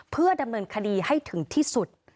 เพื่อดำเนินคดีให้ถึงที่สุด